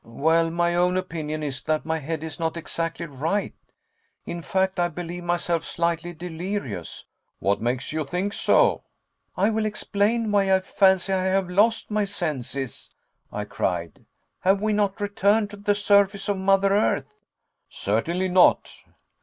"Well, my own opinion is that my head is not exactly right. In fact, I believe myself slightly delirious." "What makes you think so?" "I will explain why I fancy I have lost my senses," I cried. "Have we not returned to the surface of Mother Earth?" "Certainly not."